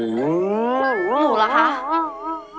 หนูล่ะค่ะ